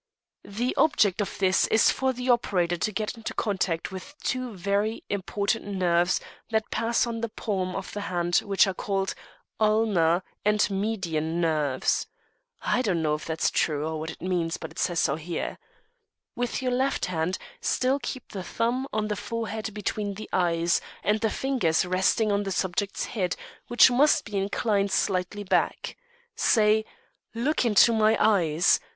'The object of this is for the operator to get in contact with two very important nerves that pass in the palm of the hand which are called Ulnar and Median nerves' I don't know if that's true, or what it means, but it says so here 'with your left hand, still keeping the thumb on the forehead between the eyes, and the fingers resting on the subject's head, which must be inclined slightly back. Say, "Look into my eyes."